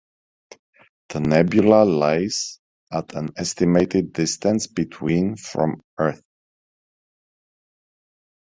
The nebula lies at an estimated distance between from Earth.